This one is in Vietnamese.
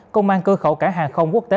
công an cơ khẩu cả hàng không quốc tế